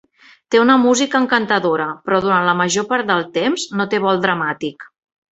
Té una música encantadora, però durant la major part del temps no té vol dramàtic.